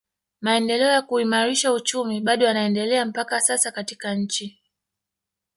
Maendeleo ya kuimarisha uchumi bado yanaendelea mpaka sasa katika nchi